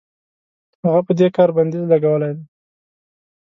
هغه په دې کار بندیز لګولی دی.